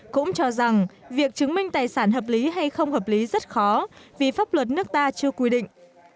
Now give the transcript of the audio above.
cũng cho rằng việc chứng minh tài sản hợp lý hay không hợp lý rất khó vì pháp luật nước ta chưa quy định